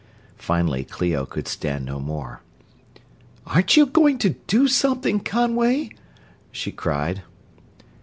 Finally Clio could stand no more. "Aren't you going to do something, Conway?" she cried.